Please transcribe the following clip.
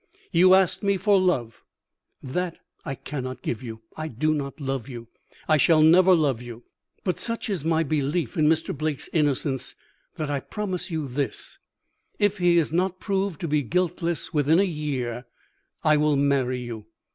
You asked me for love; that I cannot give you. I do not love you, I never shall love you; but such is my belief in Mr. Blake's innocence that I promise you this: if he is not proved to be guiltless within a year, I will marry you.'